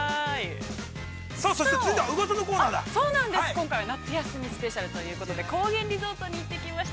今回は夏休みスペシャルということで、高原リゾートに行ってきました。